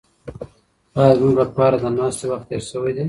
ایا زموږ لپاره د ناستې وخت تېر شوی دی؟